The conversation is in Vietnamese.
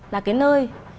là cái nơi